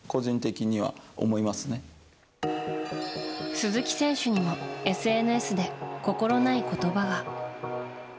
鈴木選手にもＳＮＳで心ない言葉が。